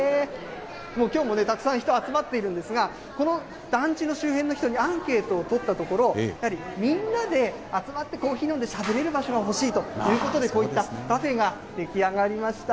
きょうも、たくさん人集まっているんですが、この団地の周辺の人にアンケートを取ったところ、やはりみんなで集まって、コーヒー飲んでしゃべれる場所が欲しいということで、こういったカフェが出来上がりました。